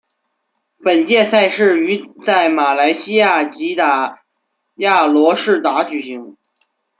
本届赛事于在马来西亚吉打亚罗士打举行。